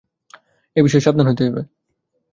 এই বিষয়ে সাবধান হইতে হইবে।